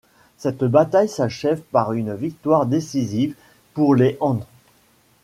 Cette bataille s’achève par une victoire décisive pour les Han.